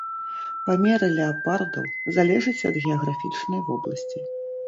Памеры леапардаў залежаць ад геаграфічнай вобласці.